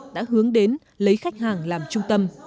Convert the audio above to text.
đã hướng đến lấy khách hàng làm trung tâm